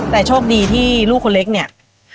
แต่โชคดีที่ลูกคนเล็กเนี่ย